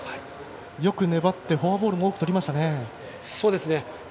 よく粘ってフォアボールもよくとりましたね。